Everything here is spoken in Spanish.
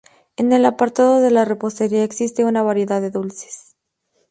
En el apartado de la repostería existe una variedad de dulces.